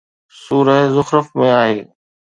سوره زخرف ۾ آهي